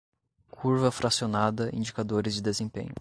curva fracionada indicadores de desempenho